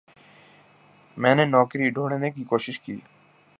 میں نے نوکری ڈھوڑھنے کی کوشش کی۔